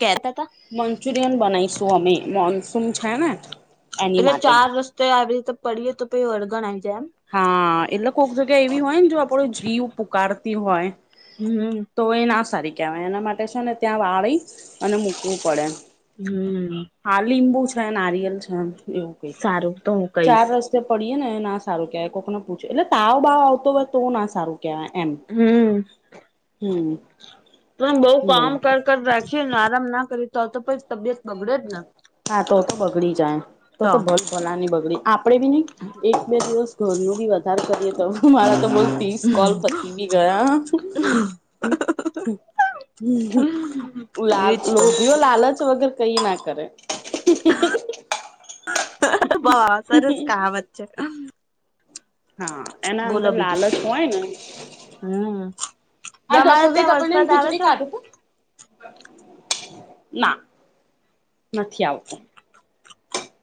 કેતા તા મંચુરિયન બનાવીશું અમે મોન્સૂમ છે ને એની માટે. તો આવી રીતે પડીએ તો પછ વળગણ આવી જાય એમ. હા એટલે કોક જગ્યા એવી હોય ને જો આપડો જીવ પુકારતી હોય. હમ તો એ ના સારી કહેવાય એના માટે છે ને ત્યાં વાળી અને મૂકવું પડે હમ હા લીંબુ છે નારિયલ છે એવું કઈક સારું તો હું ચાર કહીશ. રસ પડીએ ને એ ના સારું કય કોકને પૂછે એટલે તાવ બાવ આવતો હોય તો ના સારું. કેવાય એમ. હમ હમ તમે બઉ કામ બોલો કર રાખી આરામ ના કરીતા હો તો પણછ. તબિયત બગડે ને હા તો તો બગડી જાય તો તો ભ ભલાની બગડી આપડે બી નહી. એક બે દિવસ ઘરનું બી વધારે કરીએ તો મારા તો બઉ ત્રીસ કોલ ફતી બી ગયા. હા લાલ એજ તો. લોધી. લાલચ વગ કઈ ના કરે. બહ સરસ ક આ વત્ છે. હા એના બોલો અંદર બીજું લાલચ હોય ને. હમ્મ અને તસ તમારે જઈ ત્યાં તો પ વરસાદ આવે ખિચડી છે? કાઢ તો. ના નથી આવતું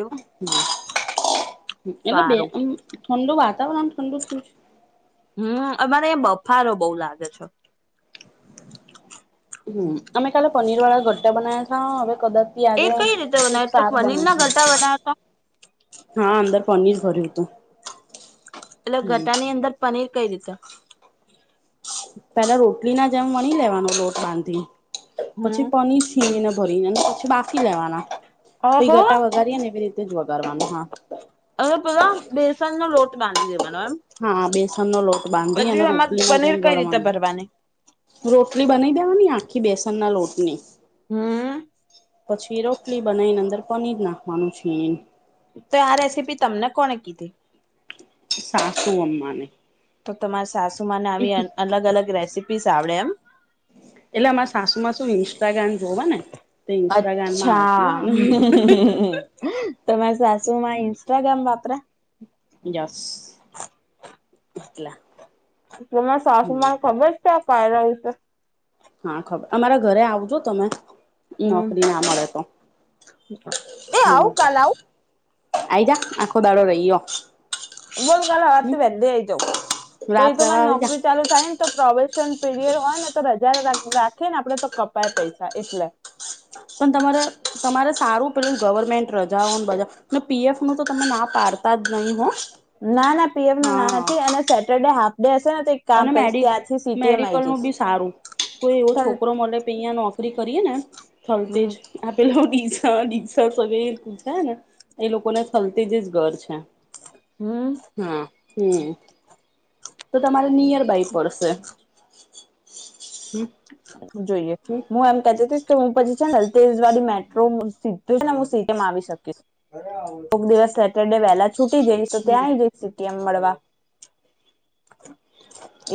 એવું હ એટલે બે સારું આમ ઠંડુ વાતાવરણ ઠંડુ થયું છે. હમ અમારે એ બફારો બઉુ લાગે છે. હમ અમે કાલે પનીર વાળા ઘટા બના્યા છ હવે કદાચ એ પજે કઈ રીતે એક બનાવે એટલે શાક પનીર બને ના છે. ગટા બનાવ્યા તા હા અંદર પનીર ભર્યું હતું એટલે હમ ગટા ની અંદર પનીર કઈ રીતે પેલા રોટલી ના જેમ વણી લેવાનો લોટ બાંધી હમ્મ પછી પનીર ખીને ભરી ને પછી બાફી લેવાના પી ઓહો ગટા વગારીએ ને એવી રીતે જ વગારવાનું હા હવે પલા બેસન નો લોટ બાંધી દેવાનો એમ હા બેસનનો લોટ બાંધી પછી અને એમાં રોટલીમાં પનીર જેમ કઈ રીતે ગરવાનું ભરવાની રોટલી બનાવી દેવાની આખી બેસન ના લોટની હમ. પછી રોટલી બનાવી ને અંદર પનીર નાખવાનું છે. તો આ રેસીપી તમને કોને કીધી? સાસુ અમ્માને તો તમારે સાસુમાંને આવી અલગ અલગ રેસીપીસ આવડે એમ એટલે અમારા સાસુમાં શું ઈન્સ્ટાગ્રામ જોવા ને તો ઇન્સ્ટાગ્રામ માં આવતી હોય ને તમારી સાસુ માં ઇન્સ્ટાગ્રામ વાપરા સ પટલા એટલે મને સાસુમાર ખબર જ ત્યાં પ્યું છે. હા ખબર અમારા ઘરે આવજો તમે હમ નોકરી ના મળે તો એ હમ આવું કાલ આવું આઈ જા આખો દાડો રહીયો. બોલ કલે હ હમ તું વેલી આઈ જાઉ પછ રાત એ તો રહેવા મારી આવી જા નોકરી ચાલુ થાય ને તો પ્રોવેશન પીરિયડ હોય ને તો રજા રાખે ને આપડે તો કપાય પૈસા એટલે પણ તમારે તમારે સારું પે ગવર્મેન્ટ રજાઓને બા ને પીએફ નું તો તમે ના પાડતા જ નહી હો ના ના પીએફ ન ના હા નથી અને સેટરડે હાફ ડે હશે તો એક કામ અને કરીશ મેડિ ત્યાંથી સીટીએમ મેડિકલ આઈ નું જઈશ બી સારું કોઈ એવો છોકરો મળે અહીંયા નોકરી કરીએ ને થોલ્ટટે. હમ પેલો ડીસા ડીગ પછ ને એ લોકો ના થલતેજ જ ઘર છે. હમ. હા હમ તો તમારે નિયરબાય પડશે હ. જોઈએ હું એમ કેતી ત કે હું પછી છેલ જવાડી મેટ્રો સ ને સિટીમાં આવી શકીશ એક દિવસ સેટરડે વહેલા. છૂટી જઈશ તો ત્યાં આઈ જઈશ સીટીએમ મળવા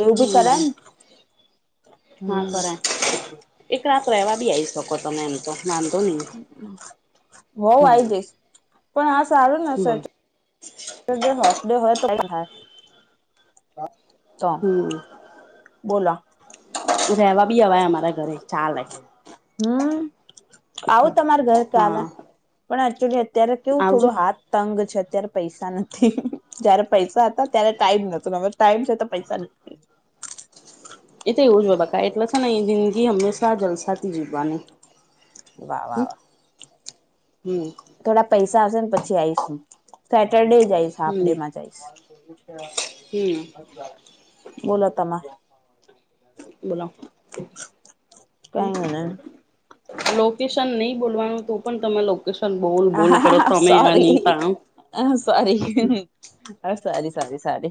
એવું ભી કરે ને. હા હમ કર એક રાત રેવા બી આવી શકો તમે એમ તો વાંધો નહી. હો આ હમ જઈશ પણ આ સારું ને સા બોલ હફ હો તો થાય. તો હમ બોલા. રહેવા બી હવા અમારા ઘરે ચાલ. હમ આવું તમાર ઘર હા કાના પણ એચુલી અત્યારે કેવું આવજો થોડો હાથ તંગ છે અત્યારે પૈસા નથી. જયારે પૈસા હતા ત્યારે ટાઈમ ન હ ટાઈમ છે તો પૈસા એ તો એવું જ હોય બાકા એટલે છે ને એ જિંદગી હંમેશા જલસાથી જીવવાની. વાહ હ વાહ વાહ હમ. થોડા પૈસા આવશે ને પછી આવીઈશ સેટરડે જઈશ હાફ ડે માં જઈશ. હમ બોલો તમાં બોલો હ. કઈ નઈ લોકેશન નહી બોલવાનું તો પણ તમે લોકેશન બોલ બોલ કરો તમે નહતામ હ સારી હ સારી સારી સારી.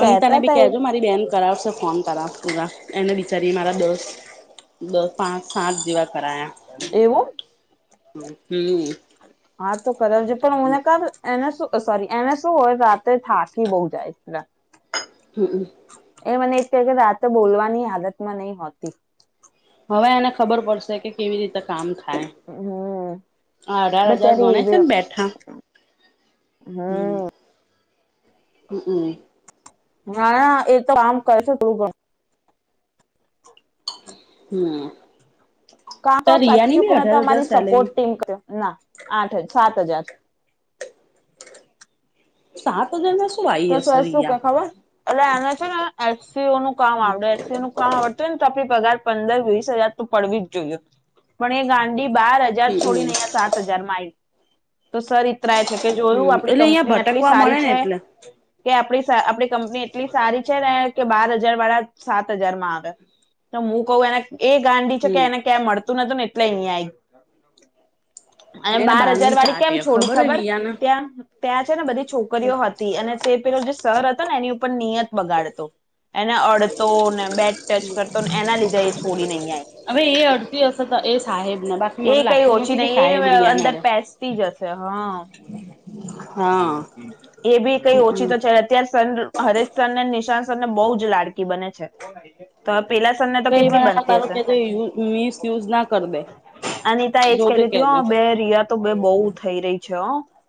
અન તને બી કહેજો મારી બેન કરાવશે ફોન કરાવ પૂરા એને બિચારી મારા દસ દસ પાંચ સાત જેવા કરાયા. એવું. હમ. હા તો કરાવજ પણ હને કામ એને શું સોરી એને શું હોય રાતે થાકી બહુ જાય. [inaudible] હમમ. એ મને એક કહે કે રાતો બોલવાની હાલત માં નહી હોતી. હવે એને ખબર પડશે કે કેવી રીતે કામ થાય. હમ અઢાર હજાર બચારી ગણે એ છે બે ને બેઠા. હમ. હ હમ [unintelligible] ના ના એ તો આમ કર છે થોડું ગણ હમ. કા તો ત રિયાની બી સાચચું તો અઢાર હજાર અમારી સેલેરી સપોર્ટ ટીમ કર્યો ના આઠ સાત હજાર. સાત હજાર શું આવી તો હશે સર શું રિયા. કે ખબર એટલે એને છે ને એસસીઓ નું કામ આવડે એસસીઓ ન આવડત હોય ને તો આપણી પગાર પંદર વીસ હજાર તો પડવી જ જોઈએ પણ એ ગાડી બાર. હજાર હમ છોડી નં સાત હજાર માઇ. તો સર ઈતરાય છે કે જોયું હમ આપડી એટલે અહિયાં કંપની આટલી ભટકવા મળે સારી ને છે. એટલે કે આપ આપણી કંપની એટલી સારી છે ને કે બાર હજાર વાળા સાત હજારમાં આવે. તો હું કહું એને એ ગાંડી છે કે હમ એને ક્યાં મળતું નતું ને એટલે અહીંય અને એને બાર હજાર બહારની વાળી ચાટ કેમ છોડી ખબર રિયાને ત્યાં ત્યાં છે ને બધી છોકરીઓ હતી અને તે પેલો જે સર હતો ને એની ઉપર નિયત બગાડતો. એને અડતો ને બેટ ટચ કરતો ને એના લીધે એ છોડી નહી આવેય હવે એ અડતી હશે તો એ સાહેબ ના બા એ કઈ ઓછી નહી એ અંદર પસતી જ હશે હા. હા એ બી કઈ ઓછી હમ તો છે અત્યારે સ હરેશ સર ને નિશાંત સર ને બહુ જ લાડકી બને છે. તો પેલા સમને કઈ વા તારો કેય મિસયુઝ ના કરી દે. અનિતા એજ કતી જોજે હતી હો કેજો બે રિયા તો બે બહુ થઈ રહી છે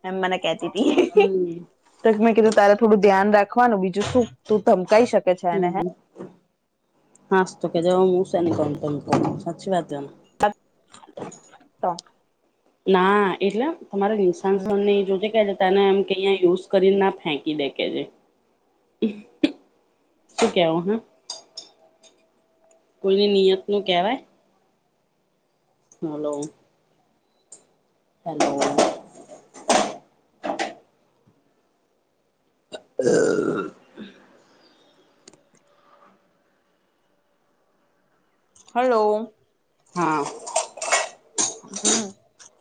એમ મને કેતી તી. હમ તો મેં કીધું તારે થોડું ધ્યાન રાખવાનું બીજું શું તું ધમકી શક હમ હાસ તો કે જેવા મુશેની કોમ તમ સાચી વાત છેને. તો ના એટલે તમારે નિશસને જો છે કેતાનેમ યુઝ કરીને ના ફેંકી દેખ છે. શું કેવો હા? કોઈની નિયત નું કહેવાય. હલો. [inaudible] હ. હલો. હા. હમ્મ.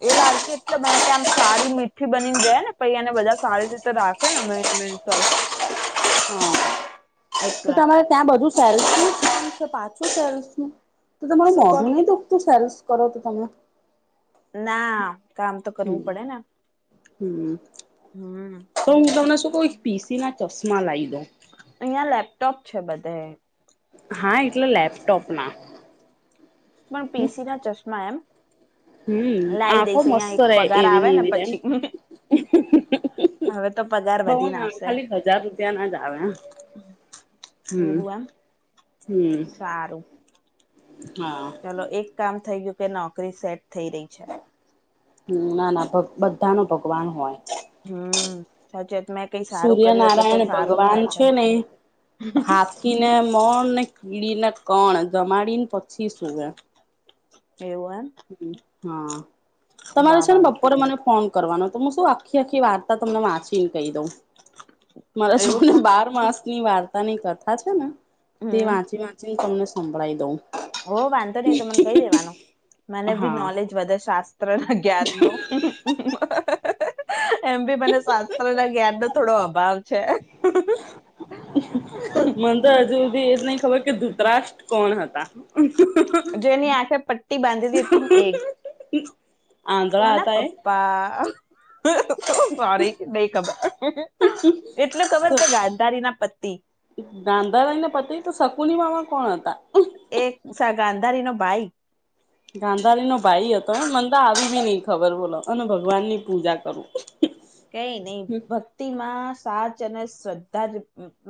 એ લડકી એટલે બને કે આમ સારી મીઠી બનીને જાય ને પછ એને બધા સારી રીતે રાખે. હ મેન મેન ચાલ. હા તો તમારે ત્યાં બધું સેલ્સ નું છે પાછું સેલ્સ નું તો તમારું શું મોઢું કહ નહી દોખતું સેલ્સ કરો તો તમે. ના કામ તો કરવું પડે ને. હમ્મ હમ તો હું તમને શું કહ પીસી ના ચશ્મા લાય્ દઉ અહિયાં લેપટોપ છે બધે હા એટલે લેપટોપ માં. પણ પીસી ના ચશ્મા એમ. હમ લાઈી આંખો દઈશ અહિયાં મસ્ત એક રે પગાર એવી આવે ને એવી રેમ પછી. હવે તો પગાર બઉ વધીને ના આવશે ખાલી હજાર રૂપિયા ના જ આવે. હમ્મ એવું એમ હમ્મ હા. ચાલલો એક કામ થઇ ગયું કે નોકરી સેટ થઈ રહી છે. હ ના ના બધા ન ભગવાન હોય. હમ્મ સાચેત મે સૂર્યનારાયણ ભગવાન છે ને હાથી ને મણને કીડીને કણ જમાડીને પછી શું એ. એવું એમ. હા તમારે વાહ છે ને વાહ વાહ બપોરે મને ફોન કરવાનો તોું શું આખી આખી વાર્તા તમને વાંચીને કહી દઉં. મારા એવું જોવને છે બાર માસની વાર્તાની કથા છે. ને તે હમ વાંચી વાંચીને તમને સંભળાઈ દઉ. હો વાંધો નહી તો મને કહી દેવાનું મને બી હા નોલેજ વધે શાસ્ત્ર જ્ઞાન ન એમ બી મને શાસ્ત્ર ના જ્ઞાન ન થોડો અભાવ છે. મને તો હજુધી એ જ નહ ખબર કે ધૂતરાષ્ટ કોણ હતા. જો એની આંખે પટ્ટી બાંધીતી હતી ને એક આંધળા હતા એ તોના સોરી ને ખબર. એટલું ખબર કે ગાધારી ના પતી. ગાંધાારાઈને પતિ તો શકુની મામા કોણ હતા. એક ગાંધારી નો ભાઈ. ગાંધારી નો ભાઈ હતો ને મનંદા આવી બી નહી ખબર બોલો અને ભગવાન ની પૂજા કરું. કઈ નહી ભક્તિ માં સાચ અને શ્રદ્ધા જ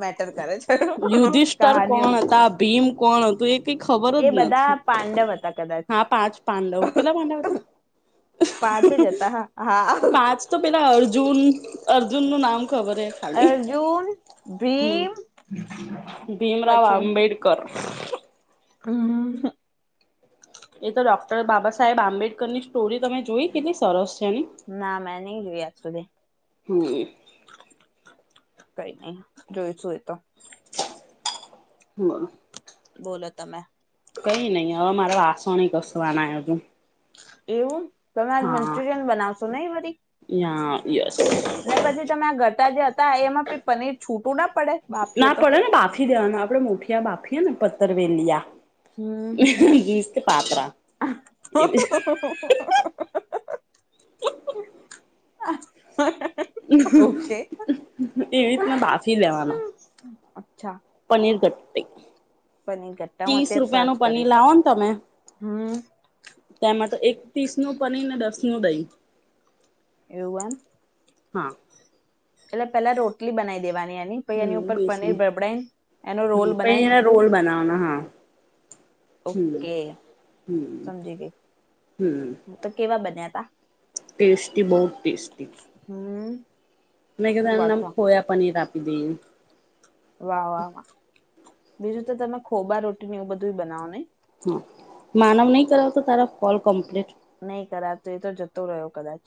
મેટર કરે છે યુધિષ્ઠર કહાનીઓ ન. કોણ હતા ભીમ કોણ હતું એક ક ખબર જ બધા નથી પાંડવ હતા કદાચ હા પાંચ પાંડવ કેટલા પંડવ હતો. પાંચ જ હતા હા હા. પાંચ તો પહેલાં અર્જુન અર્જુનનું નામ ખબર છે. અર્જૂન હમ્મ ભીમરાવ આંબેડકર. હ. એ તો ડોક્ટર બાબા સાહેબ આંબેડકરની સ્ટોરી તમે જોઈ કેટલી સરસ છે, એની ના મેં નહી જોઈ આજ સુધી હમ કઈ નહી જોઈશું એ તો હમ. બોલો તમે કઈ નહી હવે મારે વાસણ ઘસવાના હજું એવું તમે આજ મંચુરિયન બનાવશો ને વરી યા યસ ને પછી તમે આ ઘતા જે હતા એમાં પનીર છૂટું ના પડે બાફીએ ના તો પડે ને બાફી દેવાનું આપણેે મોઠિયા બાફીએ ને પત્તર હમ વેલીયા [unintelligible] પાતરા એવી [inaudible] ઓકે એવી રીતના બાફી લેવાના અચ્છા પનીર કટ પનીર કટા હું અત્યારે સર્ચ પનીર કરીશ લાવો ને તમે હમ તેમાં તો એક પીસનું પનીર ને દસનું દહી એવું એમ હા એટલે પેલા રોટલી બનાવી દેવાની એની પહી એની હમ ઉપર બેસન પનીર બબડાઈ એનો રોલ બનાઈન કોલ બનાવાના હા હમ ઓકે હમ સમજી ગઈ હમ તો કેવા બન્યા તા ટેસ્ટી બોવ ટેસ્ટી હમ. મેં કીધું એમ વાતો ખોયા પનીર આપી દઈએ વાહ વાહ વાહ બીજું તો તમે ખોબા રોટી ન એવું બધું બનાવો નય હા માનવ નહી કરાવ તો તારા ફોલ કમ્પ્લીટ નહી કરા તો એ તો જતો રહ્યો કદાચ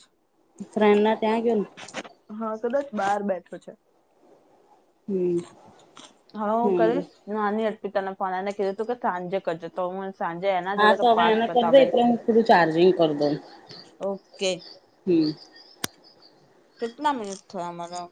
ફ્રેડ ના ત્યાં ગયો ને હા કદાચ બહાર બેઠો છે. હમ હા હું હમ કરીશ નાની અર્પિતાને પોનાને કીધું તું કે સાંજે કરજું તો હું સાંજે એના હા જોડે તો હવે પારચ એને કરી દે [unintelligible] લઈસ એટલે હું થોડું ચાર્જિંગ કરી દઉં ઓકે. હમ. કેટના મિનિટ થયા અમારા